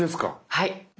はい。